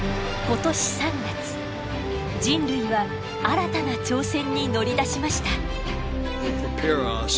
今年３月人類は新たな挑戦に乗り出しました。